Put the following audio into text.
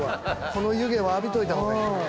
この湯気は浴びといた方がいい。